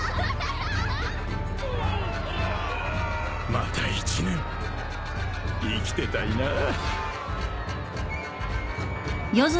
また一年生きてたいなぁ。